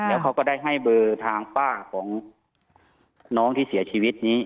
แล้วเขาก็ได้ให้เบอร์ทางป้าของน้องที่เสียชีวิตนี้